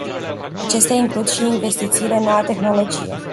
Acestea includ și investițiile în noua tehnologie.